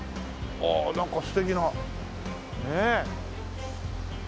おおなんか素敵なねえ。